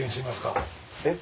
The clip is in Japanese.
えっ？